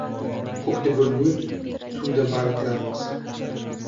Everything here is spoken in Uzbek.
Ko‘kda – burgut, suvda baliqlar oqsin.